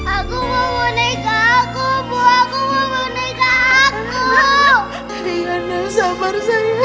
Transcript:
aku mau boneka aku bu aku mau boneka aku